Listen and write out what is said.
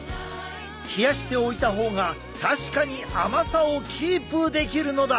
冷やしておいた方が確かに甘さをキープできるのだ！